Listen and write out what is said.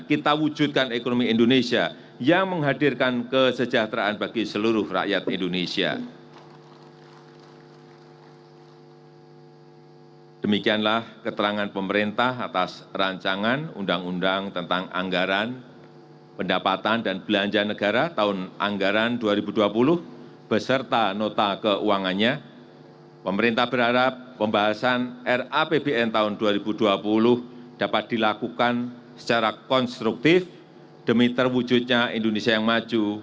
kita wujudkan ekonomi indonesia yang menghadirkan kesejahteraan bagi seluruh rakyat indonesia